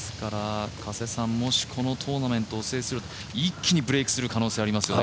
もし、このトーナメントを制すると一気にブレークする可能性はありますよね。